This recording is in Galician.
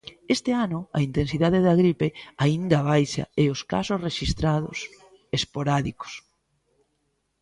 Este ano a intensidade da gripe aínda baixa e os casos rexistrados, esporádico.